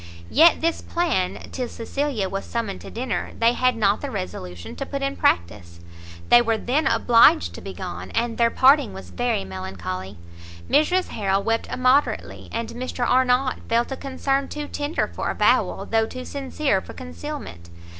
Yet this plan, till Cecilia was summoned to dinner, they had not the resolution to put in practice. They were then obliged to be gone, and their parting was very melancholy. Mrs Harrel wept immoderately, and Mr Arnott felt a concern too tender for avowal, though too sincere for concealment.